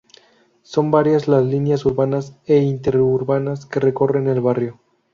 Son varias las líneas urbanas e interurbanas que recorren el barrio.